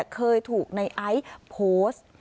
เคยถูกในไอซ์โพสต์